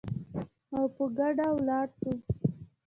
او په ګډه ولاړ شو